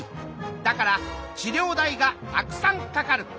だから治療代がたくさんかかる。